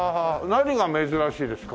何が珍しいですか？